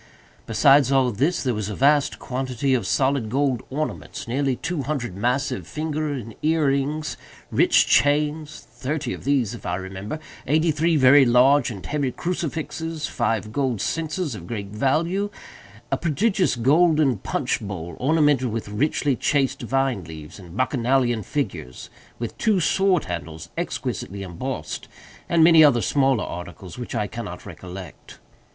Besides all this, there was a vast quantity of solid gold ornaments; nearly two hundred massive finger and earrings; rich chains—thirty of these, if I remember; eighty three very large and heavy crucifixes; five gold censers of great value; a prodigious golden punch bowl, ornamented with richly chased vine leaves and Bacchanalian figures; with two sword handles exquisitely embossed, and many other smaller articles which I cannot recollect.